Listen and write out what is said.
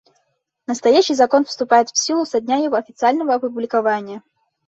Настоящий Закон вступает в силу со дня его официального опубликования.